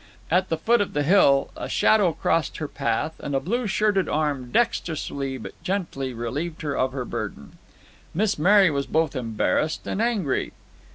At the foot of the hill a shadow crossed her path, and a blue shirted arm dexterously but gently relieved her of her burden. Miss Mary was both embarrassed and angry.